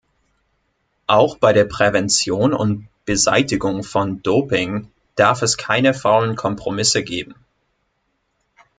Auch bei der Prävention und Beseitigung von Doping darf es keine faulen Kompromisse geben.